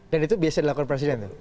dan itu biasa dilakukan presiden tuh